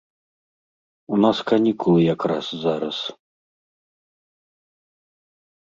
У нас канікулы якраз зараз.